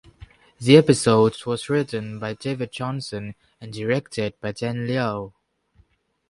The episode was written by David Johnson and directed by Dan Liu.